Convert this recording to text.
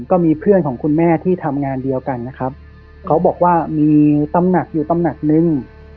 ก็มีเพื่อนของคุณแม่ที่ทำงานเดียวกันนะครับเขาบอกว่ามีตำหนักอยู่ตำหนักนึง